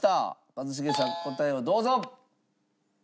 一茂さん答えをどうぞ！